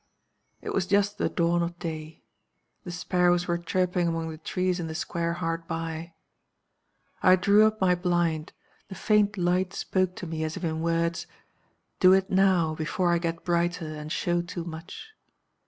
"It was just the dawn of day. The sparrows were chirping among the trees in the square hard by. "I drew up my blind; the faint light spoke to me as if in words, 'Do it now, before I get brighter, and show too much.